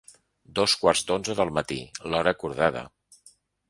Dos quarts d’onze del matí: l’hora acordada.